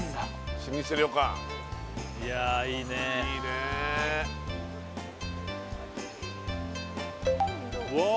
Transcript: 老舗旅館いやいいねいいねわあ